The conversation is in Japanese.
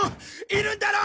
いるんだろ！？